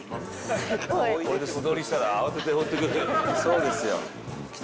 これで素通りしたら慌てて追ってくる。